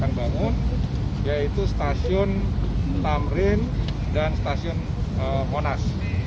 yang bangun yaitu stasiun tamrin dan stasiun monas